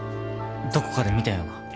どこかで見たような